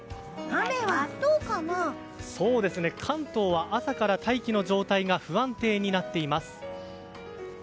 関東は朝から大気の状態が不安定になっています。